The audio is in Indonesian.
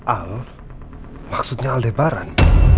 al maksudnya aldebaran